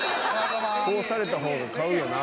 こうされた方が買うよな